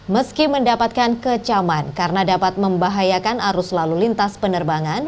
meski mendapatkan kecaman karena dapat membahayakan arus lalu lintas penerbangan